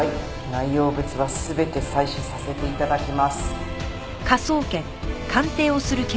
内容物は全て採取させて頂きます。